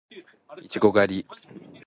いちご狩り